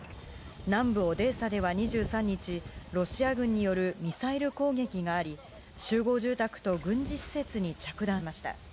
南部オデーサでは２３日、ロシア軍によるミサイル攻撃があり、集合住宅と軍事施設に着弾しました。